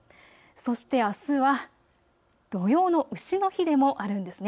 そしてあすは土用のうしの日でもあるんです。